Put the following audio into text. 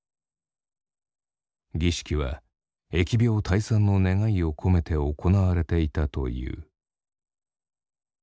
儀式は疫病退散の願いを込めて行われていたという。